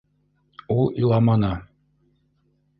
Ул иламаны.